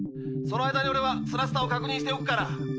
その間にオレはスラスターを確認しておくから。